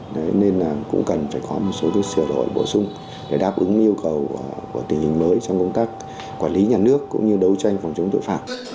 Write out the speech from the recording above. đấy nên là cũng cần phải có một số sửa đổi bổ sung để đáp ứng yêu cầu của tình hình mới trong công tác quản lý nhà nước cũng như đấu tranh phòng chống tội phạm